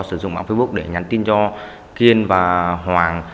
sử dụng mạng facebook để nhắn tin cho kiên và hoàng